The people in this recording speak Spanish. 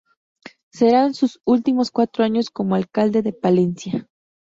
Serán sus últimos cuatro años como alcalde de Palencia.